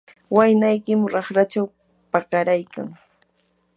waynaykim raqrachaw pakaraykan.